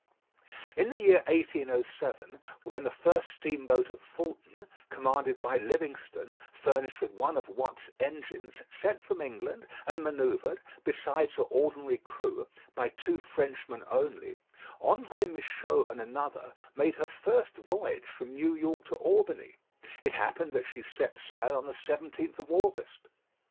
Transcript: In the year 1807, when the first steamboat of Fulton, commanded by Livingston, furnished with one of Watt's engines, sent from England, and manoeuvred, besides her ordinary crew, by two Frenchmen only, André Michaux and another, made her first voyage from New York to Albany, it happened that she set sail on the 17th of August.